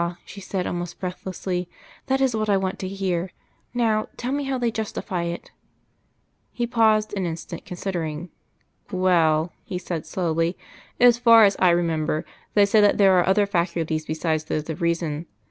she said, almost breathlessly. "That is what I want to hear. Now, tell me how they justify it." He paused an instant, considering. "Well," he said slowly, "as far as I remember, they say that there are other faculties besides those of reason.